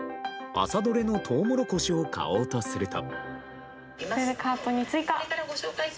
朝どれのトウモロコシを買おうとすると。